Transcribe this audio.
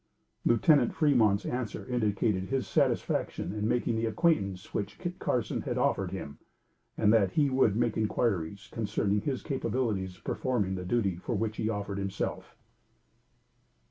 Lieutenant Fremont's answer indicated his satisfaction in making the acquaintance which Kit Carson had offered him and that he would make inquiries concerning his capabilities of performing the duty for which he offered himself.